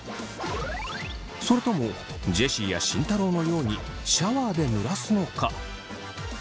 それともジェシーや慎太郎のようにシャワーでぬらすのか？